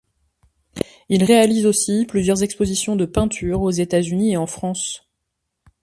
Il réalise aussi plusieurs expositions de peintures aux États-Unis et en France.